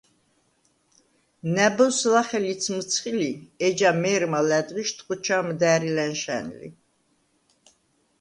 ნა̈ბოზს ლახე ლიც მჷცხი ლი, ეჯა მე̄რმა ლა̈დღიშდ ხოჩა̄მ და̈რი ლა̈ნშა̈ნ ლი.